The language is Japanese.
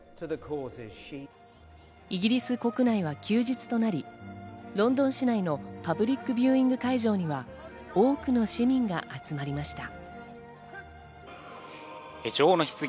イギリス国内は休日となり、ロンドン市内のパブリックビューイング会場には多くの市民が集まりました。